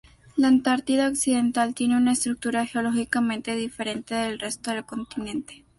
La Antártida Occidental tiene una estructura geológicamente diferente del resto del continente.